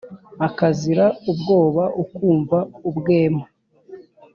ukazira ubwoba ukwumva ubwema